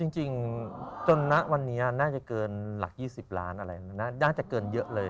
จริงจนณวันนี้น่าจะเกินหลัก๒๐ล้านอะไรน่าจะเกินเยอะเลย